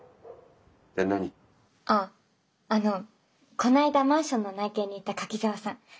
あっあのこの間マンションの内見に行った柿沢さん。